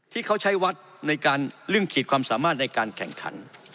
ที่เขาใช้วัดในการเรื่องขีดความสามารถในการแข่งขัน